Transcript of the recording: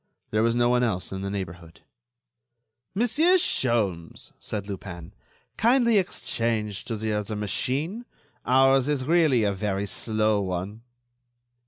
There was no one else in the neighborhood. "Monsieur Sholmes," said Lupin, "kindly exchange to the other machine. Ours is really a very slow one."